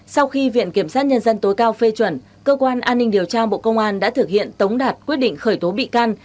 sau khi viện kiểm sát nhân dân tối cao phê chuẩn cơ quan an ninh điều tra bộ công an đã thực hiện tống đạt quyết định khởi tố bị can